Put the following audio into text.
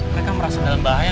mereka merasa dalam bahaya